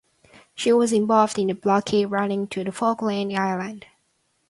She was involved in the blockade running to the Falkland Islands.